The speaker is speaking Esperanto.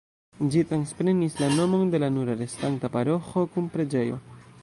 Ĝi transprenis la nomon de la nura restanta paroĥo kun preĝejo.